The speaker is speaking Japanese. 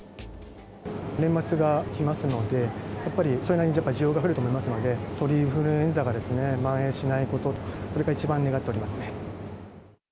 年末が来ますので、やっぱりそれなりに需要が増えると思いますので、鳥インフルエンザがまん延しないこと、それが一番願っておりますね。